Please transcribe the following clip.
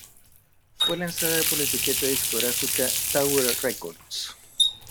Fue lanzada por la etiqueta discográfica Tower Records.